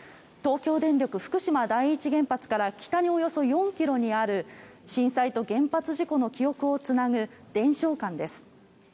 東京電力福島第一原発から北におよそ４ｋｍにある震災と原発事故の記憶をつなぐ伝承館です。